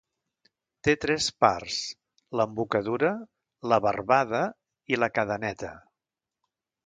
Té tres parts: l'embocadura, la barbada i la cadeneta.